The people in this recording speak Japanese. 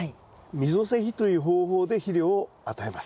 溝施肥という方法で肥料を与えます。